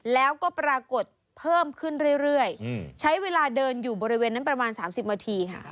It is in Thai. แล้วก็ปรากฏเพิ่มขึ้นเรื่อยใช้เวลาเดินอยู่บริเวณนั้นประมาณ๓๐นาทีค่ะ